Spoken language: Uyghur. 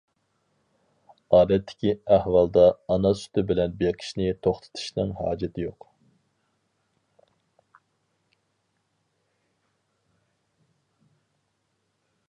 ئادەتتىكى ئەھۋالدا ئانا سۈتى بىلەن بېقىشنى توختىتىشنىڭ ھاجىتى يوق.